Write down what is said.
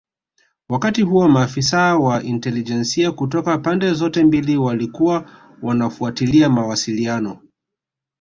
Wakati huo maafisa wa intelijensia kutoka pande zote mbili walikuwa wanafuatilia mawasiliano